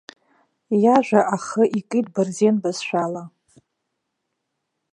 Иажәа ахы икит бырзен бызшәала.